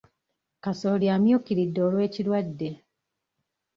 Kasooli amyukiridde olw'ekirwadde.